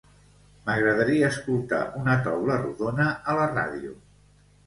M'agradaria escoltar una taula rodona a la ràdio.